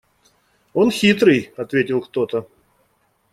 – Он хитрый, – ответил кто-то.